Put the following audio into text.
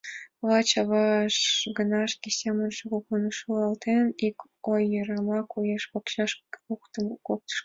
Лач авашт гына шке семынже, кугун шӱлалтен, ик ойымак уэш-пачаш куктышто: